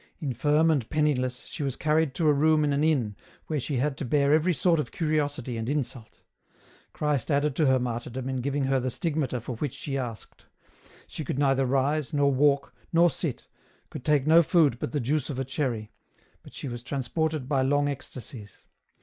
Infirm and penniless, she was carried to a room in an inn where she had to bear every sort of curiosity and insult. Christ added to her martyrdom in giving her the stigmata for which she asked ; she could neither rise, nor walk, nor sit, could take no food but the juice of a cherry, but she was transported by long ecstasies.